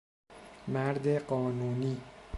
مرد قانونی